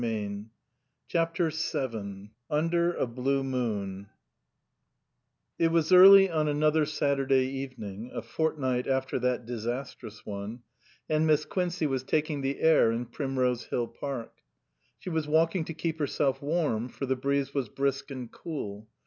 265 CHAPTER VII UNDER A BLUB MOON IT was early on another Saturday evening, a fortnight after that disastrous one, and Miss Quincey was taking the air in Primrose Hill Park. She was walking to keep herself warm, for the breeze was brisk and cool.